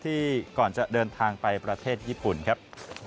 ก่อนจะเดินทางไปประเทศญี่ปุ่นครับ